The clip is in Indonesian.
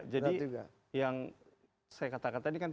jadi yang saya katakan tadi kan